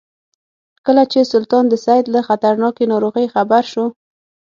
کله چې سلطان د سید له خطرناکې ناروغۍ خبر شو.